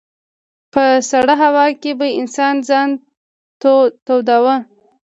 په سړه هوا کې به انسان ځان توداوه.